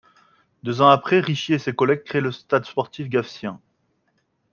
Deux ans après Richier et ses collègues créent le Stade sportif gafsien.